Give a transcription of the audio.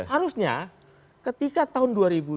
harusnya ketika tahun dua ribu dua puluh